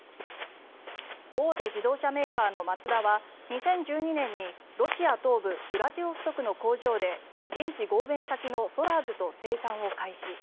大手自動車メーカーのマツダは２０１２年にロシア東部ウラジオストクの工場で現地合弁先のソラーズと生産を開始。